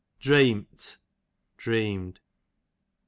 Dreeomt, dreamed.